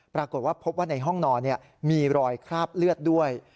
ปรากฏว่าพบว่าในห้องนอนมีรอยคราบเลือดด้วย